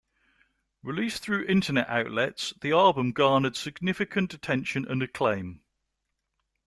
Released through internet outlets, the album garnered significant attention and acclaim.